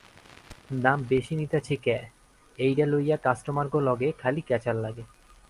দাম বেশি নিতাছি ক্যা, এইডা লইয়া কাস্টমারগো লগে খালি ক্যাচাল লাগে।